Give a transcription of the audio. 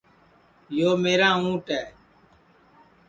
یو میرا اُنٹ ہے